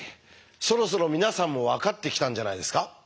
そろそろ皆さんも分かってきたんじゃないですか？